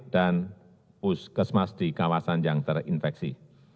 dan puskesmas di kawasan yang terinfeksi